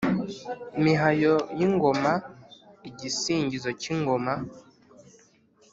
mihayo y’ingoma: igisingizo k’ingoma